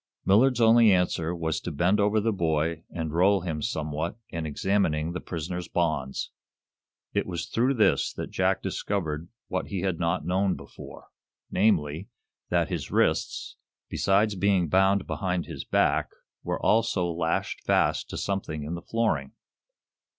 Millard's only answer was to bend over the boy and roll him somewhat in examining the prisoner's bonds. It was through this that Jack discovered what he had not known before namely, that his wrists, besides being bound behind his back, were also lashed fast to something in the flooring.